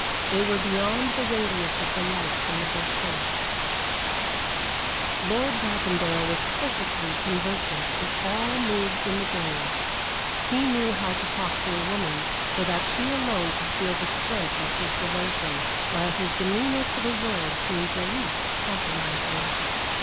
They were beyond the radius of the lights in the bosquet. Lord Bracondale was perfectly conversant with all moves in the game; he knew how to talk to a woman so that she alone could feel the strength of his devotion, while his demeanor to the world seemed the least compromising.